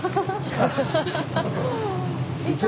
いた！